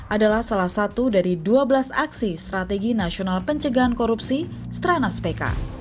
adalah salah satu dari dua belas aksi strategi nasional pencegahan korupsi stranas pk